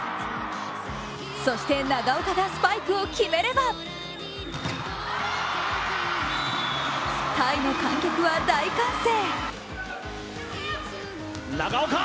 そして、長岡がスパイクを決めればタイの観客は大歓声。